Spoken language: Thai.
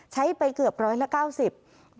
ใช้ไปเกือบ๑๙๐เตียง